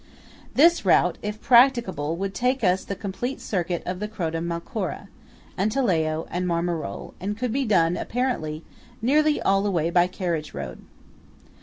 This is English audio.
This route, if practicable, would take us the complete circuit of the Croda Malcora, Antelao and Marmarole, and could be done, apparently, nearly all the way by carriage road.